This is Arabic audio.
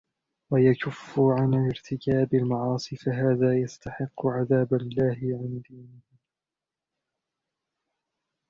وَيَكُفُّ عَنْ ارْتِكَابِ الْمَعَاصِي فَهَذَا يَسْتَحِقُّ عَذَابَ اللَّاهِي عَنْ دِينِهِ